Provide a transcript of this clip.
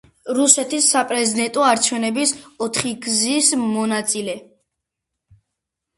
რუსეთის საპრეზიდენტო არჩევნების ოთხგზის მონაწილე.